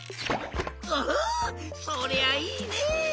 おおそりゃいいね！